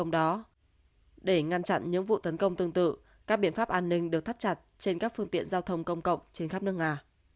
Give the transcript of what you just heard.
để ngăn chặn những vụ tấn công tương tự các biện pháp an ninh được thắt chặt trên các phương tiện giao thông công cộng trên khắp nước nga